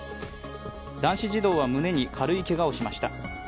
男子児童は胸に軽いけがをしました。